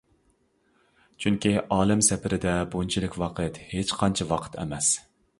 چۈنكى ئالەم سەپىرىدە بۇنچىلىك ۋاقىت ھېچقانچە ۋاقىت ئەمەس.